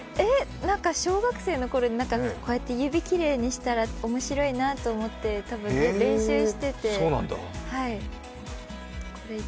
小学生のころに、指きれいにしたら面白いなと思って練習しててはい。